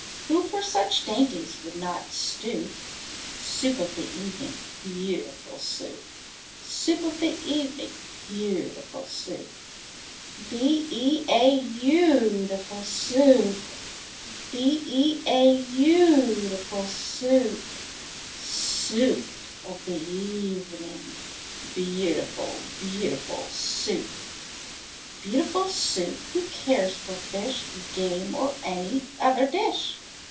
Who for such dainties would not stoop? Soup of the evening, beautiful Soup! Soup of the evening, beautiful Soup! Beau ootiful Soo oop! Beau ootiful Soo oop! Soo oop of the e e evening, Beautiful, beautiful Soup! Beautiful Soup! Who cares for fish, Game, or any other dish?